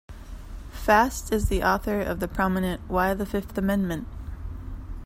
Fast is the author of the prominent Why the Fifth Amendment?